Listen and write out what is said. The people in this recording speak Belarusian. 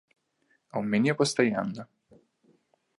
А ў мяне пастаянна.